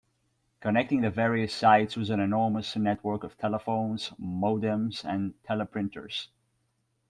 Connecting the various sites was an enormous network of telephones, modems and teleprinters.